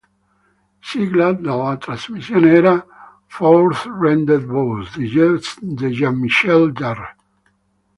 Sigla della trasmissione era "Fourth Rendez Vous" di Jean-Michel Jarre.